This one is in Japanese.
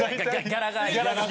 ギャラが。